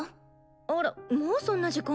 あらもうそんな時間？